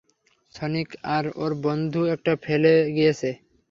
Sonic আর ওর বন্ধু এটা ফেলে গিয়েছে।